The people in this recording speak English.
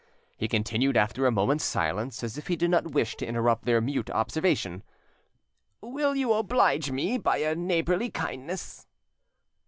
He continued after a moment's silence, as if he did not wish to interrupt their mute observation— "Will you oblige me by a neighbourly kindness?"